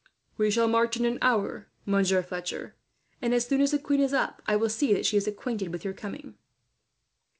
"We shall march in an hour, Monsieur Fletcher and, as soon as the queen is up, I will see that she is acquainted with your coming.